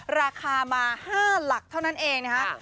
ราคามา๕หลักเท่านั้นเองนะคะ